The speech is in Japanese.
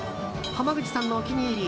濱口さんのお気に入り